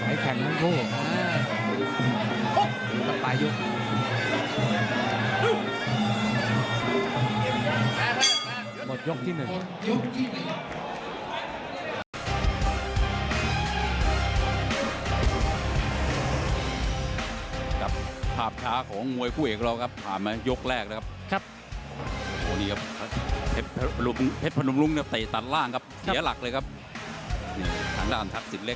อยู่กับพี่หินของเรานะครับเป็นผู้ชายชาติอาหารไปแล้ว